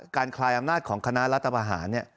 คลายอำนาจของคณะรัฐบาหาร